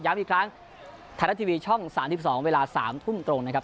อีกครั้งไทยรัฐทีวีช่อง๓๒เวลา๓ทุ่มตรงนะครับ